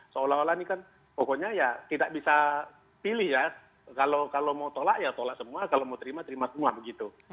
seolah olah ini kan pokoknya ya tidak bisa pilih ya kalau mau tolak ya tolak semua kalau mau terima terima semua begitu